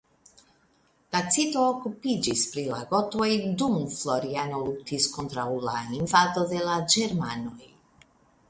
Tacito okupiĝis pri la gotoj dum Floriano luktis kontraŭ la invado de la ĝermanoj.